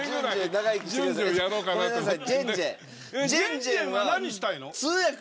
ジェンジェンは何したいの？